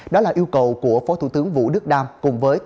đó là yêu cầu của phó thủ tướng vũ đức đam cùng với tổ công tác đặc biệt